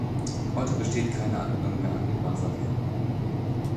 Heute besteht keine Anbindung mehr an den Bahnverkehr.